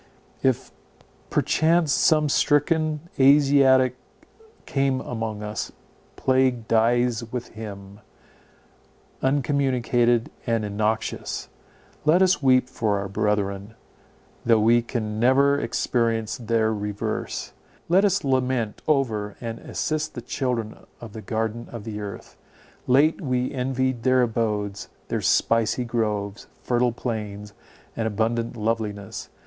If perchance some stricken Asiatic come among us, plague dies with him, uncommunicated and innoxious. Let us weep for our brethren, though we can never experience their reverse. Let us lament over and assist the children of the garden of the earth. Late we envied their abodes, their spicy groves, fertile plains, and abundant loveliness.